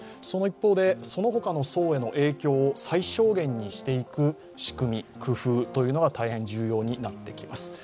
その一方でそのほかの層への影響を最小限にしていく仕組み工夫というのが大変重要になってきます。